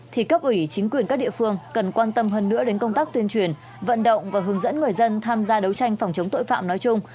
thì cấp ủy chính quyền các địa phương cần quan tâm hơn nữa đến công tác tuyên truyền vận động và hướng dẫn người dân tham gia đấu tranh phòng chống tội phạm nói chung